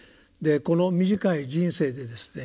この短い人生でですね